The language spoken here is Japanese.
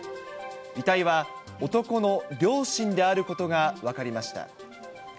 遺体は男の両親であることが分かりました。